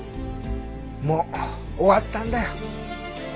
もう終わったんだよ。